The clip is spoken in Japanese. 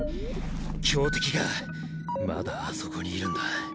強敵がまだあそこにいるんだ。